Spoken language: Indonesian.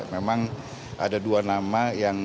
memang ada dua nama